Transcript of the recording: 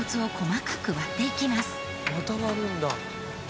また割るんだ。